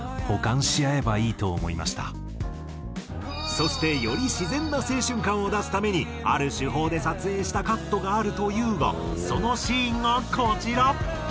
そしてより自然な青春感を出すためにある手法で撮影したカットがあるというがそのシーンがこちら。